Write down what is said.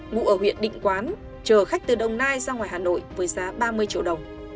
ngụ ở huyện định quán chờ khách từ đồng nai ra ngoài hà nội với giá ba mươi triệu đồng